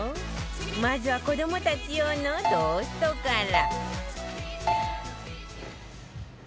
まずは子供たち用のトーストから